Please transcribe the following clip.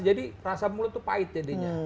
jadi rasa mulut itu pahit jadinya